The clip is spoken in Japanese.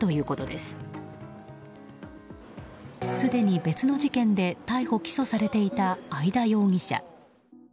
すでに別の事件で逮捕・起訴されていた会田容疑者。